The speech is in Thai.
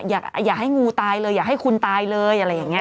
อย่าให้งูตายเลยอย่าให้คุณตายเลยอะไรอย่างนี้